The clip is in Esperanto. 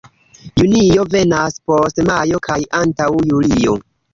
Junio venas post majo kaj antaŭ julio.